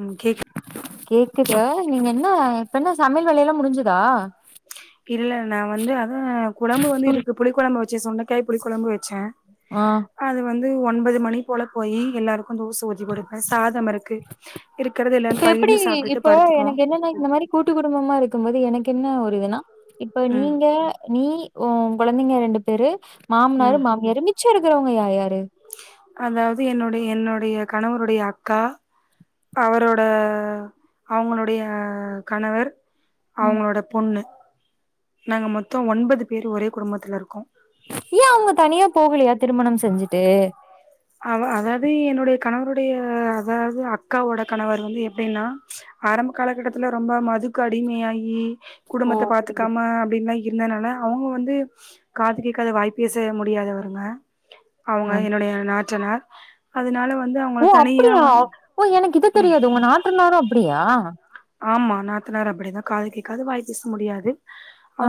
உம் கேக் கேக்குதா நீங்க என்ன இப்ப என்ன சமையல் வேலை எல்லாம் முடிஞ்சதா இல்ல நா வந்து அதான் குழம்பு வந்து ம். இருக்கு புளி குழம்பு வச்சே சுண்டைக்காய் புளி குழம்பு வச்சே ஆ அது வந்து ஒன்பது மணி போல போய் எல்லாருக்கும் தோசை ஊத்தி குடுப்பேன் சாதம் இருக்கு இருக்கிறது இல்லன் இப்ப எப்டி இப்போ எனக்கு என்னன்னா இந்த மாரி கூட்டு குடும்பமா இருக்கும்போது எனக்கு என்ன ஒரு இதுனா இப்ப ம் நீங்க நீ ஓ கொழந்தைங்க ரெண்டு பேரு மாமனரு ம் மாமியார் மிச்சோ இருக்கிறவங்க யார் யாரு அதாவது என்னுடைய என்னுடைய கணவனுடைய அக்கா அவரோட அவுங்களுடைய கணவர் ம் அவுங்களோட பொண்ணு நாங்க மொத்தோம் ஒன்பது பேர் ஒரே குடும்பத்துல இருக்கோ ஏ அவுங்க தனியா போலயா திருமணம் செஞ்சுட்டு அவ அதாவது என்னுடைய கணவருடைய அதாவது அக்காவோட கணவர் வந்து எப்டின்னா ஆரம்ப காலகட்டத்துல ரொம்ப மதுக்கு அடிமையாயி ஓ குடும்பத்த புரியுது பாத்துக்காம அப்டின்னா இருந்தனால அவுங்க வந்து காது கேட்காது வாய் பேச முடியாதவங்க அவுங்க ம் என்னுடைய நாட்டனார் அதனால வந்து அவுங் ஓ அப்டியா ஓ எனக்கு இது தெரியாது உங்க நாற்றுனாரும் அப்டியா ஆமா நாத்தனார் அப்டிதான் காது கேக்காது வாய பேச முடியாது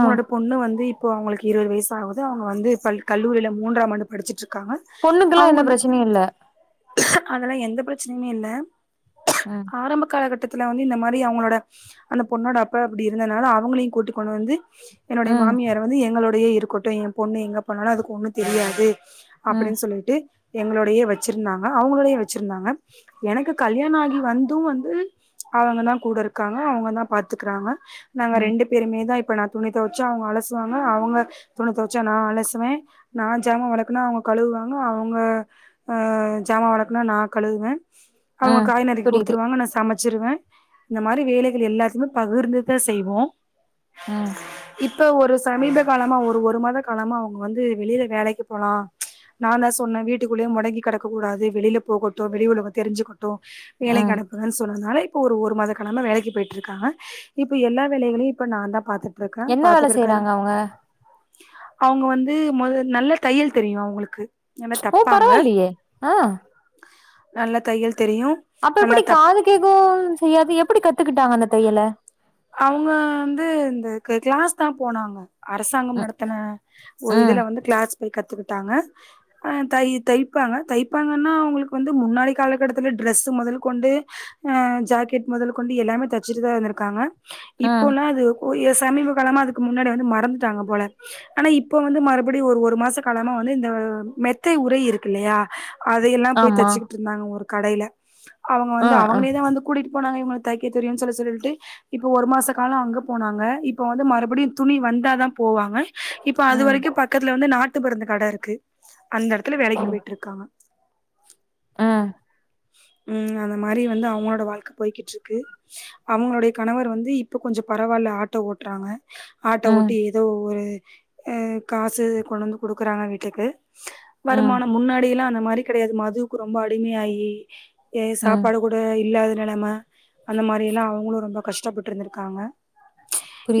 ஆ பொண்ணு வந்து இப்போ அவுங்களுக்கு இருபது வயசு ஆகுது அவுங்க வந்து ப கல்லூரியில மூன்றாம் ஆண்டு படிச்சிட்ருக்காங்க பொண்ணுக்குல்லா எந்த பிரச்சனையும் இல்ல அதெல்லா எந்த பிரச்சனையுமே இல்ல உம் ஆரம்ப காலகட்டத்துல வந்து இந்த மாரி அவுங்களோட அந்த பொண்ணோட அப்பா அப்டி இருந்ததுனால அவுங்களையும் கூட்டிகொண்டு வந்து என்னுடைய ம் மாமியார் வந்து எங்களோடையே இருக்கட்டும் என் பொண்ணு எங்க பொண்ணன்னும் அதுக்கு ஒண்ணு தெரியாது ம் அப்டின்னு சொல்லிட்டு எங்களோடையே வச்சிருந்தாங்க அவுங்களயே வச்சிருந்தாங்க எனக்கு கல்யாண ஆகி வந்தும் வந்து அவுங்க தா கூட இருக்காங்க அவுங்க தான் பாத்துக்கிறாங்க நாங்க ம் ரெண்டு பேருமே தான் இப்ப நா துணி துவச்சா அவுங்க அலசுவாங்க அவுங்க துணி துவச்சா நா அலசுவே நா சாமா விளக்குனா அவுங்க கழுவுவாங்க அவுங்க ஆ ஜாமா விளக்குனா நா கழுதுவே அவுங்க ம் காய் நறுக்கி புரியுது குடுத்துருவாங்க நா சமைச்சிருவேன் இந்த மாரி வேலைகள் எல்லாத்தையுமே பகிர்ந்துதா செய்வோம் உம் இப்ப ஒரு சமீப காலமா ஒரு ஒரு மாத காலமா அவுங்க வந்து வெளியில வேலைக்கு போலாம் நா தா சொன்ன வீட்டுக்குள்ளேயே மொடங்கி கிடக்கக் கூடாது வெளில போகட்டு வெளிய உலகோ தெரிஞ்சுக்கட்டு வேலைக்கு ம் அனுப்புங்கன்னு சொன்னதுனால இப்போ ஒரு ஒரு மாத காலமா வேலைக்கு போயிட்டு இருக்காங்க இப்ப எல்லா வேலைகளையு நா தா பாத் இருக்கா என்ன வேல பாத்துக்கிறக்காய் செய்றாங்க அவங்க அவுங்க வந்து மொத நல்ல தையல் தெரியு அவுங்களுக்கு நல்ல ஓ தப்பாங்க பரவாயில்லையே ஆ நல்லா தையல் தெரியு அப்ப நல்லா எப்டி தப் காது கேகும் செய்யாது எப்டி கத்துக்கிட்டாங்க அந்த தையல அவங்க வந்து இந்த கிளாஸ் தா போனாங்க அரசாங்கம் ம் நடத்தன ஒரு ம் இதுல வந்து கிளாஸ் போய் கத்துக்கிட்டாங்க தை தைப்பாங்க தைப்பாங்கன்னா அவங்களுக்கு வந்து முன்னாடி காலக்கட்டத்தில டிரரெஸ்ஸு முதல் கொண்டு அ ஜாக்கெட் முதல் கொண்டு எல்லாமே தைச்சுட்டு தா வந்துருக்காங்க ம் இப்போல்லா அது சமீப காலமா அதுக்கு முன்னாடி வந்து மறந்துட்டாங்க போல ஆனா இப்ப வந்து மறுபடியு ஒரு ஒரு மாச காலமா வந்து இந்த மெத்தை உரை இருக்கு இல்லையா அதையெல்லா போய் ஆமா தச்சுக்கிட்டு இருந்தாங்க ஒரு கடையில அவங்க ஆ வந்து ஆ அவங்களேதா வந்து கூட்டிட்டு போனங்க இவங்களுக்கு தைக்க தெரியுனு சொல்லி சொல்லிட்டு இப்போ ஒரு மாச காலோ அங்க போனாங்க இப்போ வந்து மறுபடியு துணி வந்தாதா போவாங்க இப்ப அது ம் வரைக்கு பக்கத்துல வந்து நாட்டு மருந்து கட இருக்கு அந்த எடத்துல வேலைக்கு போய்ட்டு இருக்காங்க ஆ ம் அந்த மாரி வந்து அவங்களோட வாழ்க்கை போய்கிட்டு இருக்கு அவங்களோட கணவர் வந்து இப்ப கொஞ்ச பரவால்ல ஆட்டோ ஓட்றாங்க ஆட்டோ ம் ஓட்டி எதோ ஒரு அ காசு கொண்டு வந்து குடுக்குறாங்க வீட்டுக்கு ம் வருமானம் முன்னாடி எல்லா அந்த மாரி கடையாது மதுவுக்கு ரொம்ப அடிமையாயி ம் சாப்பாடு கூட இல்லாத நெலம அந்த மாரி எல்லா அவுங்களு ரொம்ப கஷ்டப்பட்டு இருந்திருக்காங்க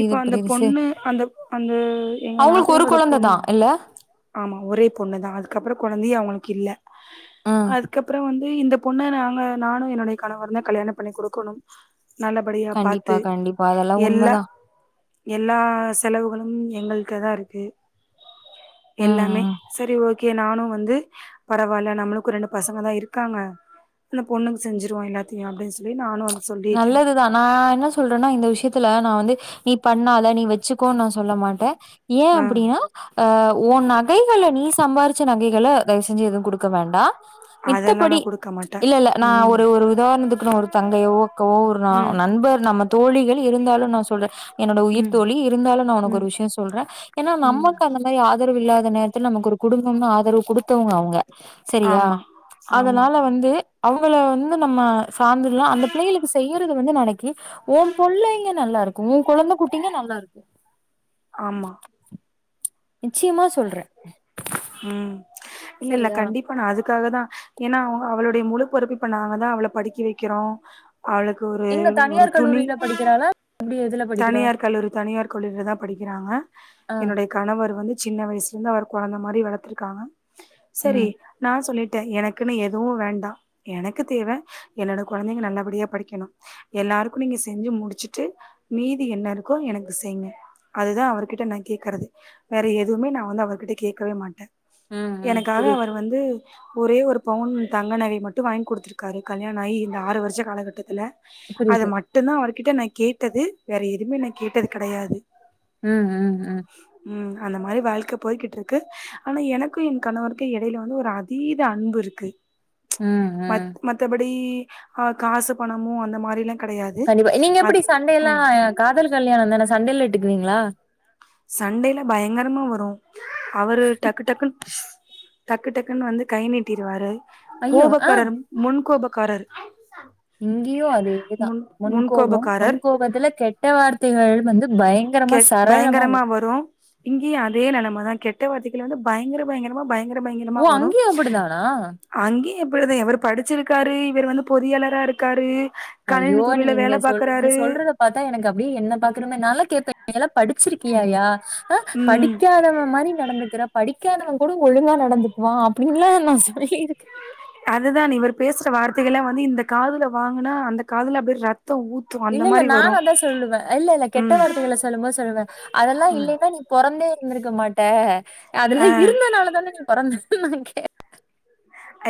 இப்ப அந்த பொண்ணு அந்த அந்த எங்க அவுங்களுக்கு ஒரு நாத்தனாரோட கொழந்த தா பொண்ணு இல்ல ஆமா ஒரே பொண்ணு தா அதுக்கப்றோ கொழந்தையு அவங்களுக்கு இல்ல ம் அதுக்கப்புற வந்து இந்த பொண்ணு நாங்க நானு என்னுடைய கணவருந்தா கல்யாண பண்ணி குடுக்கணு நல்லபடியா கண்டிப்பா பாத்து கண்டிப்பா அதெல்லாம் எல்லா உண்மதான் எல்லா செலவுகளு எங்களுக்கு தா இருக்கு ம் எல்லாமே ம் சரி ஒ கே நானு வந்து பரவால்ல நம்மளுக்கு ரெண்டு பசங்க தா இருக்காங்க அந்த பொண்ணுக்கு செஞ்சிருவோ எல்லாத்தையு அப்டினு சொல்லி நானு வ நல்லது தா நா என்ன சொல்றன்னா இந்த விஷயத்துல நா வந்து நீ பண்ணாத நீ வச்சுக்கோனு நா சொல்ல மாட்ட ஏ ஆ அப்டின்னா அ ஓ நகைங்கள நீ சம்பாரிச்ச நகைகளை தயவு செஞ்சு எதுவு குடுக்க வேண்டா அதெல்லா நா மித்தபடி குடுக்க மாட்டே இல்ல இல்ல நா ம் ஒரு ஒரு உதாரணத்துக்கு ஒரு தங்கையோ உக்காவோ ஒரு ம் நண்பர் நம்ம தோழிகள் இருந்தாலு நா சொல்ற என்னோட உயிர் ம் தோழி இருந்தாலு நா உனக்கு ம் ஒரு விஷய சொல்ற ஏன்னா ம் நமக்கு அந்த மாரி ஆதரவு இல்லாத நேரத்துல நமக்கு ஒரு குடும்பம்னு ஆதரவு குடுத்தவங்க அவுங்க சரியா ஆமா ஆமா அதனால வந்து அவுங்கள வந்து நம்ம சார்ந்துர்லா அந்த பிள்ளைங்களுக்கு செய்யறது வந்து நாளைக்கு ஒ பொள்ளைங்க நல்லா இருக்கு ஒ கொழந்த குட்டிங்க நல்லா இருக்கு ஆமா நிச்சயமா சொல்ற ம் இல்ல இல்ல கண்டிப் அதுக்காகதா ஏன்னா அவளுடைய முழுப்பொருப்பு இப்ப நாங்கதா அவள படுக்க வக்கிறோ அவளுக்கு ஒரு எங்க ஒரு தனியார் துணி கல்லூரியில படிக்கிறாள [unintelligible] எதுல படிக்கிறா தனியார் கல்லூரி தனியார் கல்லுரிலதா படிக்கிறாங்க ஆ என்னுடைய கணவர் வந்து சின்ன வயசுலந்து அவர் கொழந்த மாதிரி வளத்துருக்காங்க சரி ம் நா சொல்லிட்டே எனக்குன்னு எதுவு வேண்டா எனக்கு தேவ என்னோட கொழந்தைங்க நல்லபடியா படிக்கணு எல்லாருக்கு நீங்க முடிச்சுட்டு மீதி என்ன இருக்கோ எனக்கு செய்யுங்க அதுதா அவர்கிட்ட நா கேக்குறது வேற எதுவுமே நா வந்து அவர்கிட்ட கேக்கவே மாட்டே ம் ம் எனக்காக புரியுது அவர் வந்து ஒரே ஒரு பவுண் தங்க நகை மட்டு வாங்கி குடுத்துருக்காரு கல்யாணோ ஆகி இந்த ஆறு வர்ஷோ காலகட்டத்துல அது புரியுது மட்டுதா அவர்கிட்ட நா கேட்டது வேற எதுமே நா கேட்டது கெடையாது ம் ம் ம் ம் அந்த மாரி வாழ்க்கை பொய்கிட்டு இருக்கு ஆனா எனக்கு எ கணவருக்கு இடையில வந்து ஒரு அ தித அன்பு இருக்கு ம் ம் மத்தபடி ஆ காசு பணமு அந்த மாரிலா கண்டிப்பா நீங்க எப்டி சண்டைல்லா காதல் கல்யாணோ தானா சண்டை எல்லா இட்டுக்குவிங்ளா சண்டையிலா பயங்கரமா வரு அவரு டக்கு டக்குன்னு டக்கு டக்குன்னு வந்து கை நீட்டிருவாரு ஐயோ! ஆ கோபக்காரரு முன்கோபக்காரரு இங்கியு அதேதா முன்கோபம் முன்கோபக்காரர் முன்கோபத்துல கெட்ட வார்த்தைகள் வந்து பயங்கரமா சரளமா வரு வரு இங்கியு அதே நெலமதா கெட்ட வார்த்தைகள் வந்து பயங்கர பயங்கரமா வரு ஓ பயங்கரமாக வரு அங்கேயு அப்டிதானா? அங்கியு எப்டிதா‌ இவரு படிச்சிருக்காரு இவரு வந்து பொறியாளர்ரா இருக்காரு ஐயோ! கணினித்துரையில நீங்க வேல சொல் நீ பாக்குறாரு சொல்றத பாத்தா எனக்கு அப்டியே என்ன பாக்குற மாரி பாலா கேப்பே நீளா படிச்சிருக் கியாயா ஆ ம் படிக்காதவ மாதிரி நடந்துக்குற படிக்காதவ கூட ஒழுங்காக நடந்துக்குவா அப்டின்ல்லா நா சொல்லிருக்கே அதுதா இவர் பேசுற வார்த்தைகள் எல்லா‌ வந்து இந்த காதுல வாங்குன்னா அந்த காதுல அப்டியே ரெத்தோ ஊத்து அந்த இல்லல்ல மாரி வரு நானு அதா சொல்லுவே இல்லல்ல கெட்ட ம் வார்த்தைகள சொல்லும்போது சொல்லுவே அதெல்லா ம் இல்லலன்னா நீ பொறந்தே இருந்திருக்க மாட்ட அதுல இருந்தனாலதானே நீ பொறந்தா கேட்டே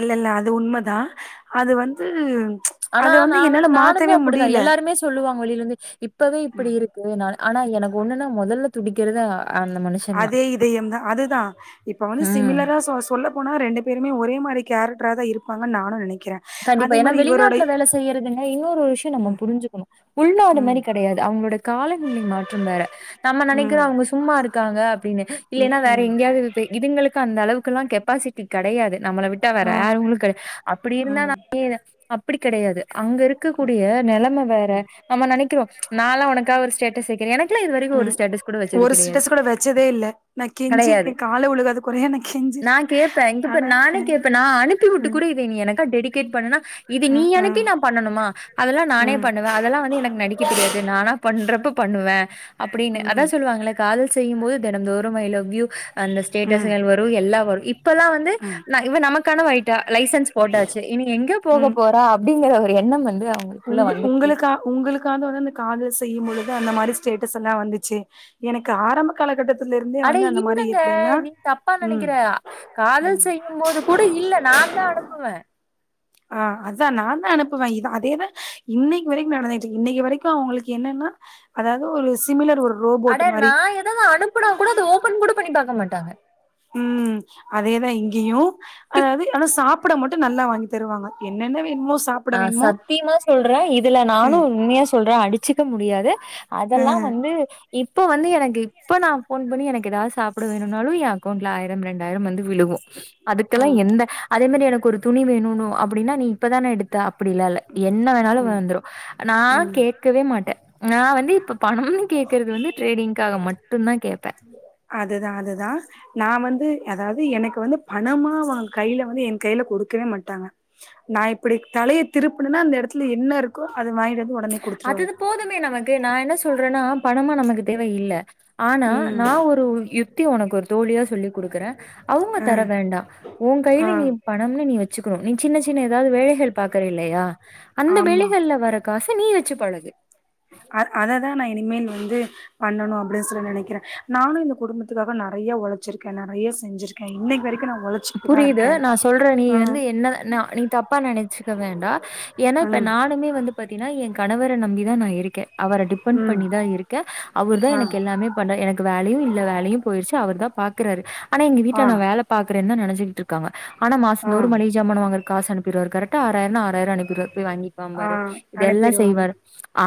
இல்லல்ல அது உண்மதா அது வந்து ஆனா அத நா வந்து என்னால நானுமே மாத்தவே அப்டிதா முடியல எல்லாருமே சொல்லுவங்க வெளியிலருந்து இப்பவே இப்டி இருக்கு ஆனா எனக்கு ஒண்ணுன்ன மொதல துடிக்கிறது அந்த மனுஷ அதே இதயம்தா அதுதா இப்ப வந்து ம். சிமிலரா சொல்ல போன ரெண்டு பேருமே ஒரே மாரி கேரக்டராதா இருப்பாங்கன் நானு நெனைக்கிறே கண்டிப்பா ஏன்னா வெளிநாட்டுல வேல செய்யறதுங்க இன்னொரு விஷயோ நம்ம புரிஞ்சுக்கணு உள்நாடு ம், மாதிரி கெடையாது அவுங்ளோட கால நிலை மாற்றம் வேற நம்ம நெனைக்குறோ ம், அவுங்க சும்மா இருக்காங்க அப்டின்னு ம், இல்லலன்னா வேற ம், எங்கயாவது இதுங்களுக்கு அந்த அளவுக்குல்லா கெப்பாசிட்டி கெடையாது நம்மள விட்ட வேற ஆ, யாரு இருக்க கெடையாது அப்டி ஆ, [unintelligible] அப்டி கெடையாது அங்க இருக் கக்கூடிய நெலெம வேற நம்ம நெனைக்கிறோ நால்லா உனக்காக ஒரு ஸ்டேட்டஸ் வக்கிறே எனக்கு எல்லா இது வரைக்கு ஒரு ம். ஸ்டேட்டஸ் கூட வச்சது ஒரு கிடையாது. ஸ்டேட்டஸ் கூட வச்சதே இல்ல நா கிடையாது. கெஞ்சிருக்கே கால்ல உழுகாத கொறையா நா கெஞ்சிருக்கே நா கேப்பே இந்தபாரு நானே கேப்பே நா அனுப்பி விட்டு ம், கூட இத எனக்கு டெடிகேட் பண்ணுணா இது நீ ம், அனுப்பி ம், நா பண்ணனுமா அதுல்லா நானே ம், பண்ணுவே அது எல்லா வந்து எனக்கு நடிக்க எனக்கே தெரியாது நானா பண்றப்ப பண்ணுவ அப்டின்னு அது ம், சொல்லுவாங்கள காதல் செய்யும்போது தெனம்தோறு ஐ லவ் யூ அந்த ம், ஸ்டேட்டஸ்கள் வரு எல்லா வரு இப்பல்லா வந்து ம், நா இவ நமக்கானவ ஆயிட்டா லைசன்ஸ் போட்டாச்சு இனி எங்க போக ம். போறா அப்டிங்கிற ஒரு எண்ணம் வந்து அவுங்களுக்குள்ள வந்துட்டு உங்களுக்காது வந்து அந்த காதல் செய்யும்பொழுது அந்த மாரி ஸ்டேட்டஸ் எல்லா வந்துச்சு எனக் க ஆரம்ப காலகட்டத்துல இருந்தே அட வந்து அந்த மாரி இல்லங்க எப்டின்னா நீ தப்பா ம் நெனைக்கிற காதல் ம் செய்யும் போது கூட இல்ல நா தா அனுப்புவ ஆ அதா நா தா அனுப்புவ இ அதேதா இன்னைக்கு வரைக்கு நடந்துட்ருக்கு இன்னைக்கு வரைக்கு அவுங்களுக்கு என்னன்னா அதாது ஒரு சிமிலர் ஒரு ரோபோட் அட நா மாரி ஏதாவது அனுப்புனா கூட அத ஓப்பன் கூட பண்ணி பாக்க மாட்டாங்க ம் அதேதா இங்கேயு அதாது ஆனா சாப்பிட மட்டு நல்லா வாங்கி தருவாங்க என்னென்ன வேணுமோ சாப் ஆ சத்தியமா சொல்ற இதுல நானு ம் உண்மைய சொல்ற அடிச்சுக்க முடியாது அதெல்லா வந்து இப்போ வந்து எனக்கு இப்ப நா ஃபோன் பண்ணி எனக்கு ஏதாது சாப்ட வேணுன்னாலு ஏ அக்கௌண்ட்ல ஆயிரம் ரெண் டாயிர வந்து விழுகு ஆ அதுக்கெல்லா எந்த அதே மாரி எனக்கு ஒரு துணி வேணும்னு‌ அப்டின்னா நீ இப்பதான எடுத்த அப்டில்லால்ல என்ன வேணாலு ம் வந்துரு நா ம் கேக்கவே மாட்ட நா வந்து இப்ப பணம்னு கேக்கறது வந்து டிரேடிங்க்காக மட்டுந்தா கேப்பே அதுதா அதுதா நா வந்து அதாது எனக்கு வந்து பணமா வாங்க கையில வந்து என் கையில குடுக்கவே மாட்டாங்க நா இப்டி தலைய திருப்புணேன்னா அந்த எடத்துல என்ன இருக்கோ அத வாங்கிட்டு வந்து ஒடனே அது குடுத்துருவாரு இது போதுமே நமக்கு நா என்ன சொல்றேன்னா பணமா நமக்கு தேவ இல்ல ஆனா ம் நா ஒரு யு த்தி‌ ஒனக்கு ஒரு தோழியா சொல்லி் குடுக்குற அவுங்க தர வேண்டா ஒ ஆ கையில நீ பணம்னு நீ வச்சுக்கணு நீ சின்ன சின்ன ஏதாது வேலைகள் பாக்குற இல்லயா அந்த ஆமா வேலைகள்ல வர காச நீ வச்சு பழகு ஆ அததா நா இனிமேல் வந்து பண்ணணு அப்டின்னு சொல்லி நெனைக்கிறே நானு இந்த குடும்பத்துக்காக நெறைய ஒழைச்சிருக்கே நெறைய செஞ்சிருக்கே இன்னைக்கு வரைக் புரியுது நா சொல்ற நீ வந்து என்ன நா நீ தப்பா நெனைச்சிக்க வேண்டா ஏன்னா இப்ப ம் நானுமே வந்து பாத்தினா ஏ கணவர நம்பி தா நா இருக்கே அவர டிப்பன் ம் பண்ணிதா இருக்கே அவர் தா ஆ எனக்கு எல்லாமே பண்ண எனக்கு வேலையு இல்ல வேலையு போயிருச்சு அவர் தா பாக்குறாரு ஆனா எங்க ஆ வீட்ல நா வேல பாக்குறேன் தா நெனைச்சிட்ருக் க்காங்க ஆனா மாச ஆ நூறு மளிக சாமான வாங்குற காசு அனுப்பிருவாரு கரெக்ட்டா ஆறாயிரனா ஆறாயிர அனுப்பிருவாரு போய் வாங்கி ஆ பம்பரு இதெல்லா அனுப்பிருவாரு செய்வாரு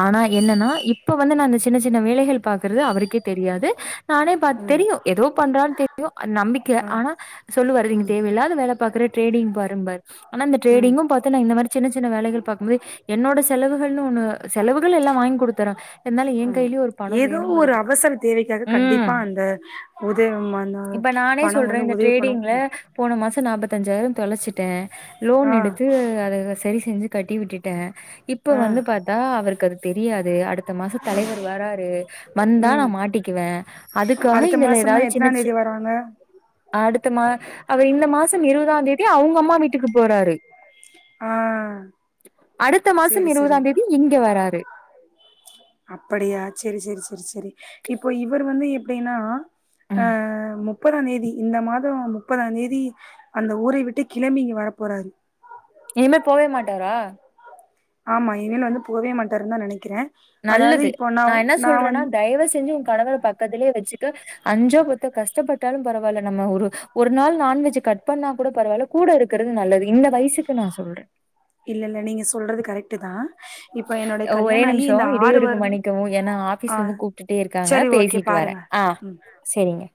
ஆனா என்னன்னா இப்ப வந்து நா அந்த சின்ன சின்ன வேலைகள் பாக்குறது அவருக்கே தெரியாது நானே பாத் ம் தெரியு ஏதோ பண்றான்னு தெரியு நம்பிக்கை ஆ ஆனா சொல்லுவாரு நீ இங்க ம் தேவையில்லாத வேல பாக்குற டிரேடிங் பாரும்பாரு ஆனா அந்த ம் டிரேடிங்கும் பாத் து இந்த மாரி சின்ன சின்ன வேலைகள் பாக்கும்போது என்னோட செலவுகள்னு ஒன்னு செலவுகள் எல்லா வாங்கி குடுத்துறாங் இருந்தாலு ஏ ம் கையிலியு ஒரு பணம் ஏதோ ஒரு வேணுங்கிறதுக்கு ம் உதயமானா பணம் வந்து உத டிரேடிங்ல போன மாச நாப்பத்தஞ்சாயிர தொலைச்சிட்ட லோன் ஆ எடுத்து அத சரி செஞ்சு கட்டி விட்டுட்டே இப்போ ஆ வந்து பாத்தா அவருக்கு அது தெரியாது அடுத் த மாச தலைவர் வராரு வந்தா ம் நா மாட்டிக்குவே அதுக்காக இதுல ஏதாது சின்ன சின் க்குறாங்க அடுத்த மா அவர் இந்த மாசம் இருவதாந் தேதி அவுங்க அம்மா வீட்டுக்கு போறாரு ஆ அடுத்த மாசம் சேரி சேரி இருவதாந் தேதி இங்க வராரு அப்படியா செரி செரி செரி செரி இப்போ இவர் வந்து எப்டின்னா அ ம் அ முப்பதாந் தேதி இந்த மாதோ முப்பதாந் தேதி அந்த ஊரை விட்டு கிளம்பி இங்க வர போறாரு இனிமே போவே மாட்டாரா ஆமா இனிமேல் வந்து போவே மாட்டாருன் தா நெனைக்கிறே அதாவது நல்லது இப்போ நா என்ன சொல்றேன்னா வந் தயவு செஞ்சு உ கணவர பக்கத்துலே வச்சுக்க அஞ்சோ பத்தோ கஷ்டப்பட்டாலு பரவால்ல நம்ம ஒரு ஒரு ஒரு நாள் நான்வெஜ்ஜ கட் பண்ணா கூட பரவால்ல கூட இருக்குறது நல்லது இந்த வயசுக்கு நா சொல்றே இல்ல இல்ல நீங்க சொல்றது கரெக்ட்டு தா இப்போ என்னுடைய ஒரே கல்யாணோ ஆகி நிமிஷோ இந்த ஆறு இடையூறுக்கு வருடம் மன்னிக்கவும் ஏன்னா ஆ ஆபீஸ்ல இருந்து கூப்ட்டுட்டே இருக்காங்க செரி ஓகே பேசிட்டு வரே பாருங்க ஆ ம் செரிங்க